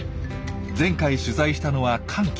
前回取材したのは乾季。